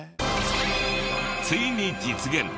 ついに実現！